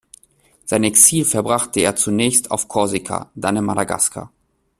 Sein Exil verbrachte er zunächst auf Korsika, dann in Madagaskar.